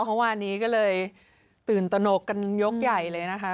เมื่อวานนี้ก็เลยตื่นตนกกันยกใหญ่เลยนะคะ